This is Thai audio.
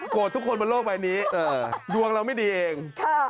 ทุกคนบนโลกใบนี้ดวงเราไม่ดีเอง